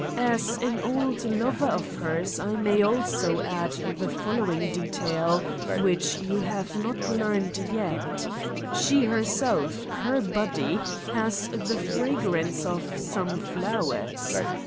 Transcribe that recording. As an old lover of hers, r may also add the following detail which you have not learned yet: she herself, her body, has the fragrance of some flowers.